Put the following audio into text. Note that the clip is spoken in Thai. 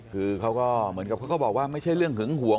คือเขาก็เหมือนกับเขาก็บอกว่าไม่ใช่เรื่องหึงหวง